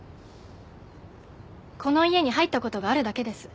この家に入った事があるだけです。